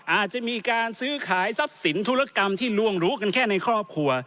อาจจะมีการซื้อขายทรัพย์สินธุรกรรมที่ลวงรู้กันแค่ในครอบครัว